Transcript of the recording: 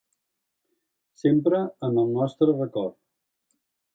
Sempre en el nostre record.